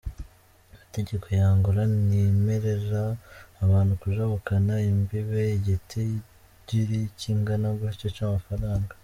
Amategeko ya Angola ntimerera abantu kujabukana imbibe igitigiri kingana gutyo c'amafaranga.